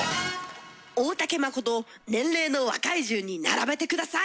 大竹まことを年齢の若い順に並べて下さい。